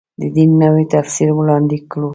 د دین نوی تفسیر وړاندې کړو.